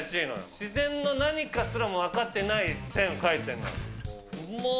自然の何かすらも分かってない線を描いてるのよ。